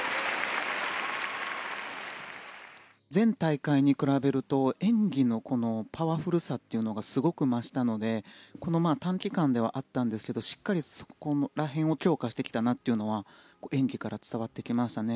前大会に比べると演技のパワフルさというのがすごく増したので短期間ではあったんですけどしっかりそこら辺を強化してきたなというのは演技から伝わってきましたね。